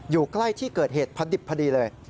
อยู่ใกล้ที่เกิดเหตุพอดิบพอดีเลย